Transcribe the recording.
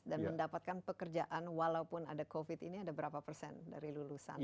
dan mendapatkan pekerjaan walaupun ada covid ini ada berapa persen dari lulusan tahun lalu